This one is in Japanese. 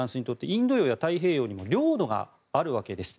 インド洋や太平洋にも領土があるわけです。